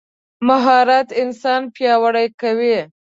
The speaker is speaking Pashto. مهارت انسان پیاوړی کوي.